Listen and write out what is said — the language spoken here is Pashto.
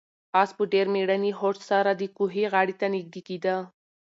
آس په ډېر مېړني هوډ سره د کوهي غاړې ته نږدې کېده.